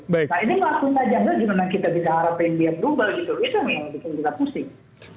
nah ini melakukan aja enggak gimana kita bisa harapin dia berubah gitu itu yang bikin kita pusing